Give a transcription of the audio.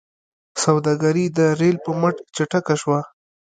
سوداګري د ریل په مټ چټکه شوه.